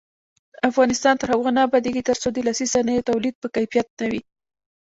افغانستان تر هغو نه ابادیږي، ترڅو د لاسي صنایعو تولید په کیفیت نه وي.